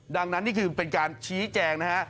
ดังนั้นนี่คือเป็นการชี้แจงนะฮะ